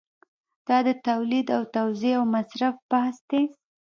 دا د تولید او توزیع او مصرف بحث دی.